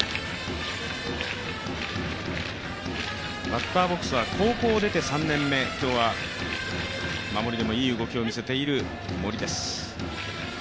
バッターボックスは高校を出て３年目、今日は守りでもいい動きを見せている森です。